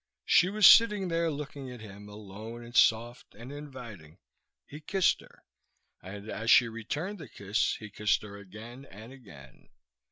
She was sitting there, looking at him, alone and soft and inviting. He kissed her; and as she returned the kiss, he kissed her again, and again.